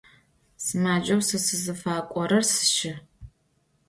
Sımaceu se sızıfak'orer sşşı.